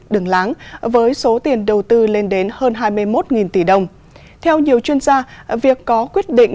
đường láng với số tiền đầu tư lên đến hơn hai mươi một tỷ đồng theo nhiều chuyên gia việc có quyết định